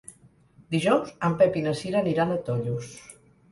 Dijous en Pep i na Cira aniran a Tollos.